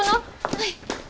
はい！